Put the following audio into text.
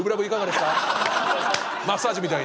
マッサージみたいに。